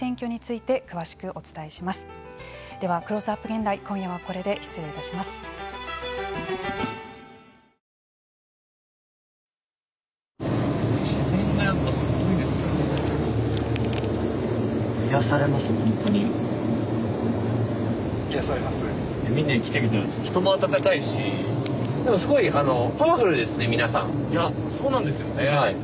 いやそうなんですよね。